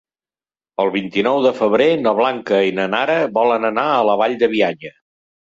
El vint-i-nou de febrer na Blanca i na Nara volen anar a la Vall de Bianya.